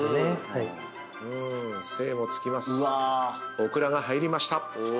オクラが入りました。